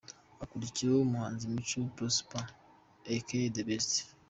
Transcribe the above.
Hakurikiyeho umuhanzi Mico Prosper aka The Best.